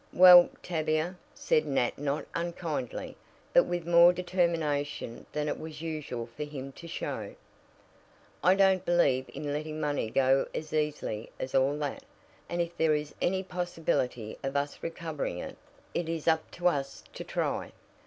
"Well, Tavia," said Nat not unkindly, but with more determination than it was usual for him to show, "I don't believe in letting money go as easily as all that, and if there is any possibility of us recovering it, it is 'up to us' to try.